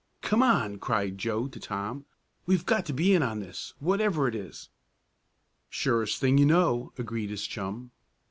"Come on!" cried Joe to Tom. "We've got to be in on this, whatever it is!" "Surest thing you know," agreed his chum.